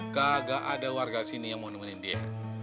kagak ada warga sini yang mau nemenin dia